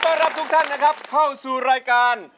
รับทุกท่านนะครับเข้าสู่รายการ